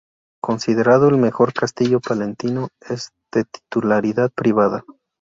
Considerado el mejor castillo palentino, es de titularidad privada.